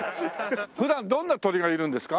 普段どんな鳥がいるんですか？